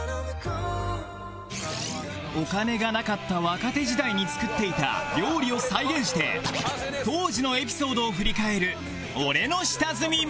お金がなかった若手時代に作っていた料理を再現して当時のエピソードを振り返るオレの下積みメシ